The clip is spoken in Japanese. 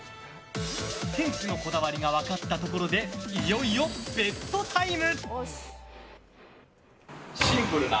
店主のこだわりが分かったところでいよいよベットタイム！